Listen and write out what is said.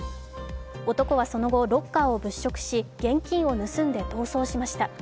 男はその後、ロッカーを物色し現金を盗んで逃走しました。